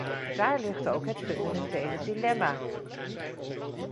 Daar ligt ook het fundamentele dilemma!